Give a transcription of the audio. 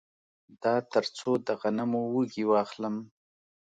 دا تر څو د غنمو وږي واخلم